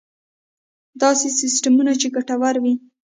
داسې سیستم چې ګټور وي.